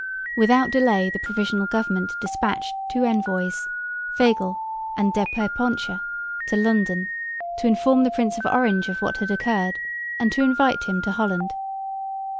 Without delay the provisional government despatched two envoys, Fagel and De Perponcher, to London, to inform the Prince of Orange of what had occurred and to invite him to Holland.